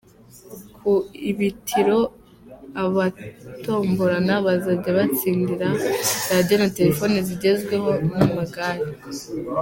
Ku ibitiro abatombora bazajya batsindira radio na Telephone zigezweho n’amagare.